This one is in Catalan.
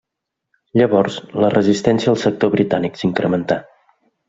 Llavors, la resistència al sector britànic s'incrementà.